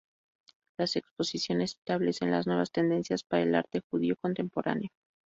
Las exposiciones establecen las nuevas tendencias para el arte judío contemporáneo.